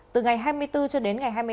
từ ngày hai mươi bốn cho đến ngày hai mươi bốn